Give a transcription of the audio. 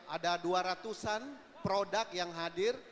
ada dua ratus an produk yang hadir